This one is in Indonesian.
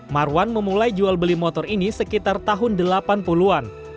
marwan memulai jual beli motor ini sekitar tahun delapan puluh an